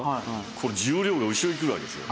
これ重量が後ろにくるわけですよ。